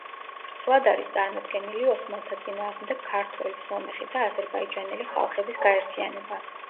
ვრცლად არის წარმოდგენილი ოსმალთა წინააღმდეგ ქართველი, სომეხი და აზერბაიჯანელი ხალხების გაერთიანება.